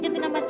dan itu adalah